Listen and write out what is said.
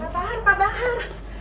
pak bahar pak bahar